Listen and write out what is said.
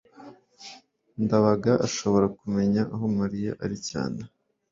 ndabaga ashobora kumenya aho mariya ari cyane